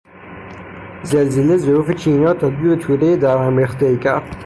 زلزله ظروف چینی را تبدیل به تودهی در هم ریختهای کرد.